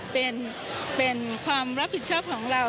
เป็นความรับผิดชอบของเรา